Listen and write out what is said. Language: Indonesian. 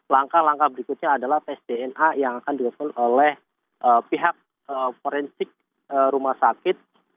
langkah langkah berikutnya adalah tes dna yang akan dilakukan oleh pihak forensik rumah sakit